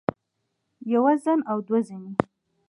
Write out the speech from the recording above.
يوه زن او دوه زنې